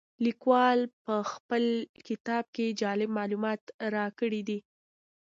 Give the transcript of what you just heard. لیکوال په خپل کتاب کې جالب معلومات راکړي دي.